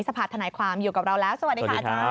สภาษณ์ฐนายความอยู่กับเราแล้วสวัสดีครับ